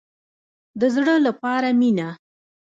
د زړه لپاره مینه.